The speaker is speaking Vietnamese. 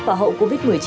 và hậu covid một mươi chín